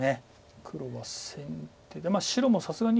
黒は先手で白もさすがに。